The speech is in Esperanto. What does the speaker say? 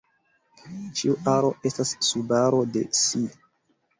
Ĉiu aro estas subaro de si.